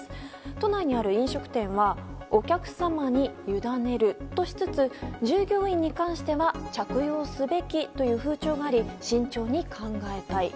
都内にある飲食店はお客様に委ねるとしつつ従業員に関しては着用すべきという風潮があり慎重に考えたい。